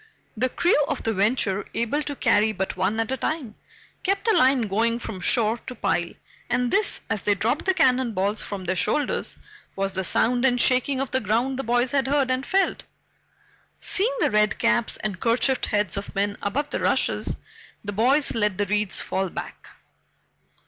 The crew of the Venture, able to carry but one at a time, kept a line going from shore to pile, and this, as they dropped the cannon balls from their shoulders, was the sound and shaking of the ground the boys had heard and felt. Seeing the red caps and kerchiefed heads of men above the rushes, the boys let the reeds fall back.